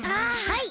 はい。